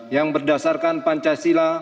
yang berdasarkan pancasila